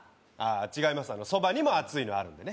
違います、そばにも熱いのあるんですね。